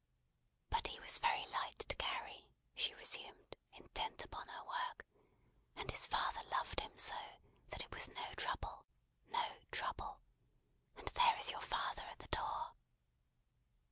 "But he was very light to carry," she resumed, intent upon her work, "and his father loved him so, that it was no trouble: no trouble. And there is your father at the door!"